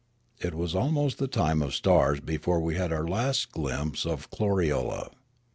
It was ahnost the time of stars before we had our last glimpse of Kloriole.